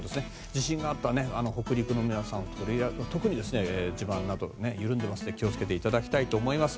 地震があった北陸の皆さんは特に地盤などが緩んでいますので気を付けていただきたいと思います。